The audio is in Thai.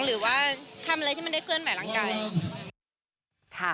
หรือว่าทำอะไรที่มันได้เคลื่อนใหม่ร่างกาย